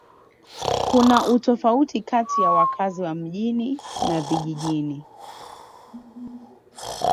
Kuna utofauti kati ya wakazi wa mijini na vijijini